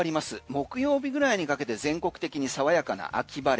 木曜日ぐらいにかけて全国的に爽やかな秋晴れ。